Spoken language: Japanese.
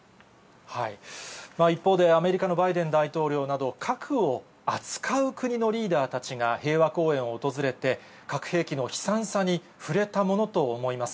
一方で、アメリカのバイデン大統領など、核を扱う国のリーダーたちが平和公園を訪れて、核兵器の悲惨さに触れたものと思います。